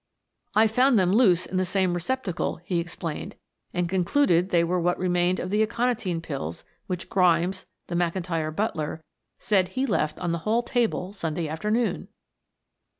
"I found them loose in the same receptacle," he explained. "And concluded they were what remained of the aconitine pills which Grimes, the McIntyre butler, said he left on the hall table Sunday afternoon."